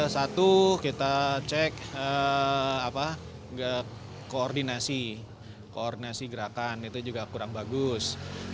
satu kita cek koordinasi koordinasi gerakan itu juga kurang bagus